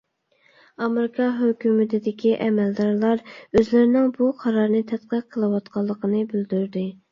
ئامېرىكا ھۆكۈمىتىدىكى ئەمەلدارلار ئۆزلىرىنىڭ بۇ قارارنى تەتقىق قىلىۋاتقانلىقىنى بىلدۈردى.